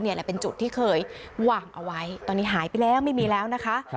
แหละเป็นจุดที่เคยวางเอาไว้ตอนนี้หายไปแล้วไม่มีแล้วนะคะ